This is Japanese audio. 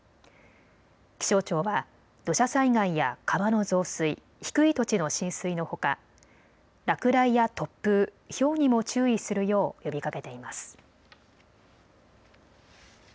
気象庁は土砂災害や川の増水、低い土地の浸水のほか落雷や突風、ひょうにも注意するよう呼びかけています。